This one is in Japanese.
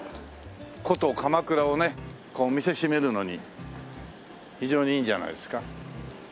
古都鎌倉をねこう見せしめるのに非常にいいんじゃないですか。